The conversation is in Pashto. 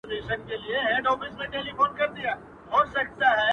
تر نورو ډیر مزل وکړي